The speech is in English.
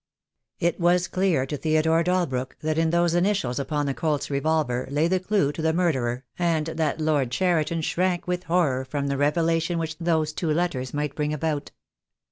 It was clear to Theodore Dalbrook that in those initials upon the Colt's revolver lay the clue to the mur derer, and that Lord Cheriton shrank with horror from the revelation which those two letters might bring about.